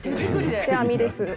手編みです。